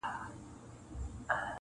هغه د خلکو له سترګو ځان پټ ساتي تل,